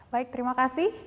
baik terima kasih